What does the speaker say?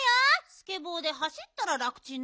スケボーではしったら楽ちんなのにな。